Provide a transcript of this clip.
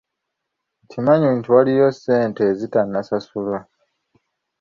Nkimanyi nti waliyo ssente ezitanasasulwa.